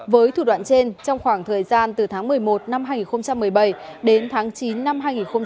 với thủ đoạn trên trong khoảng thời gian từ tháng một mươi một năm hai nghìn một mươi bảy đến tháng chín năm hai nghìn một mươi bảy